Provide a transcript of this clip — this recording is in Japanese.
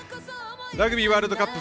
ラグビーワールドカップ